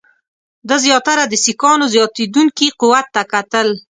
ده زیاتره د سیکهانو زیاتېدونکي قوت ته کتل.